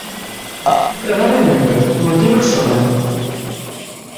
Probablemente, motivos sobran.